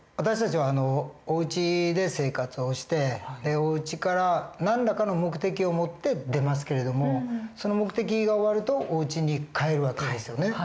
私たちはおうちで生活をしておうちから何らかの目的を持って出ますけれどもその目的が終わるとおうちに帰る訳ですよね。